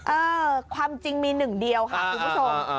เออความจริงมีหนึ่งเดียวค่ะคุณผู้ชม